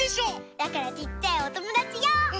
だからちっちゃいおともだちよう！